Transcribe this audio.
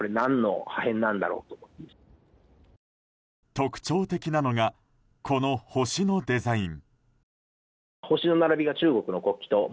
特徴的なのがこの星のデザイン。